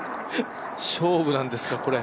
勝負なんですか、これ。